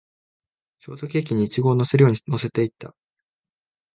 ショートケーキにイチゴを乗せるように乗せていった